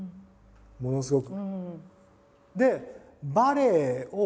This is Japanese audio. ものすごく。